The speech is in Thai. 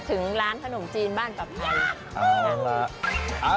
ถึงร้านขนมจีนบ้านปรับทรีย์